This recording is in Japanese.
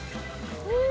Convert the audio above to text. うん。